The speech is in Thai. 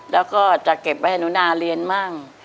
แล้วก็จะเก็บไว้ให้หนูนาเรียนมั่ง